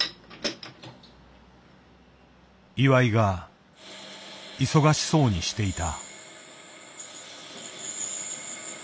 岩井が忙しそうにしていた。